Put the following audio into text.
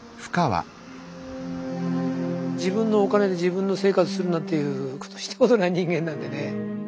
自分のお金で自分の生活するなんていうことしたことない人間なんでね。